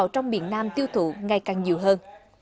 cho việt nam tiêu thụ ngay càng nhiều hơn